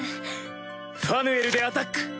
ファヌエルでアタック！